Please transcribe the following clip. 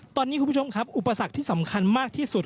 ตอนนี้คุณผู้ชมครับอุปสรรคที่สำคัญมากที่สุด